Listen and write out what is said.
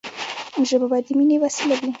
ژبه باید د ميني وسیله وي.